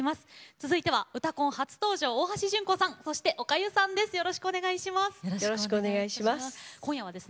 続いては「うたコン」初登場大橋純子さんそして、おかゆさんです。